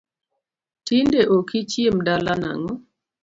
Tinde ok ichiem dala nang'o